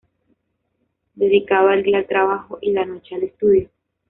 Dedicaba el día al trabajo y la noche al estudio.